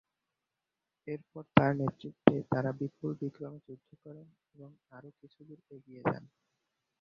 এরপর তার নেতৃত্বে তারা বিপুল বিক্রমে যুদ্ধ করেন এবং আরও কিছুদূর এগিয়ে যান।